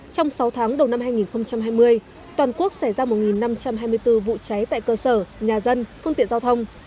trong sáu tháng đầu năm hai nghìn hai mươi toàn quốc xảy ra một năm trăm hai mươi bốn vụ cháy tại cơ sở nhà dân phương tiện giao thông